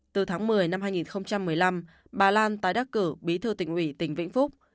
từ tháng một mươi năm hai nghìn một mươi năm bà lan tái đắc cử bí thư tỉnh ủy tỉnh vĩnh phúc